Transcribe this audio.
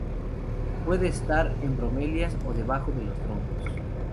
Puede estar en bromelias o debajo de los troncos.